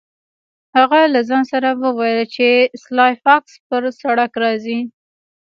هغه له ځان سره وویل چې سلای فاکس پر سړک راځي